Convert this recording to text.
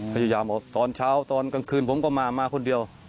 พยายามบอกตอนเช้าตอนกลางคืนผมก็มามาคนเดียว